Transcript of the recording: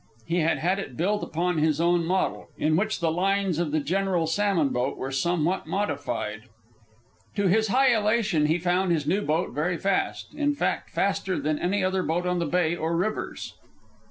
He had had it built upon his own model, in which the lines of the general salmon boat were somewhat modified. To his high elation he found his new boat very fast in fact, faster than any other boat on the bay or rivers.